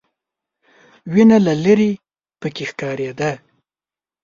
وینه له ليرې پکې ښکارېده.